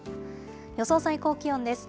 予想最高気温です。